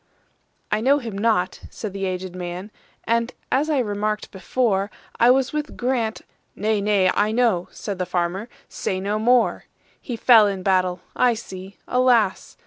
"I know him not," said the aged man,"And, as I remarked before,I was with Grant"—"Nay, nay, I know,"Said the farmer, "say no more:"He fell in battle,—I see, alas!